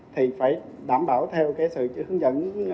thì phải đảm bảo theo sự hướng dẫn